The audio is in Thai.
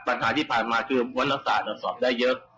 ปัญหาที่ผ่านมาคือวรรณศาสตร์สอบได้เยอะ